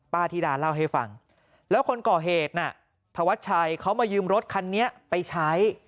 ธิดาเล่าให้ฟังแล้วคนก่อเหตุน่ะธวัชชัยเขามายืมรถคันนี้ไปใช้